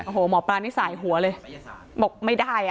โอ้โหหมอปลานี่สายหัวเลยบอกไม่ได้อ่ะ